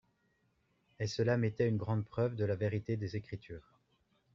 Et celà m'était une grande preuve de la vérité des Écritures.